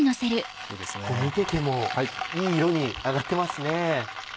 見ててもいい色に揚がってますね。